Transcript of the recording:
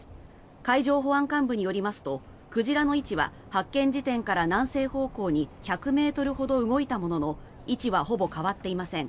海上保安監部によりますと鯨の位置は発見時点から南西方向に１００ｍほど動いたものの位置はほぼ変わっていません。